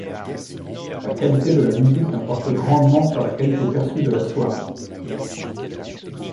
La qualité de la musique importe grandement sur la qualité perçue de la soirée.